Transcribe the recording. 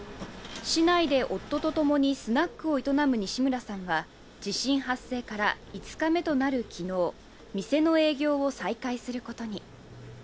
市内で夫と共にスナックを営む西村さんは、地震発生から５日目となるきのう、店の営業を再開することに。